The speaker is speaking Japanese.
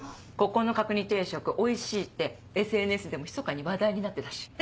ここの角煮定食おいしいってＳＮＳでもひそかに話題になってたし。